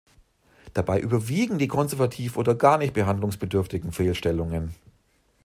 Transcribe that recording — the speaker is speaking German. Dabei überwiegen die konservativ oder gar nicht behandlungsbedürftigen Fehlstellungen.